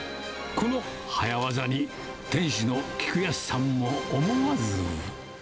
この速技に、店主の菊安さんも思わず。